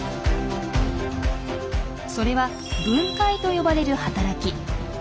それは「分解」と呼ばれる働き。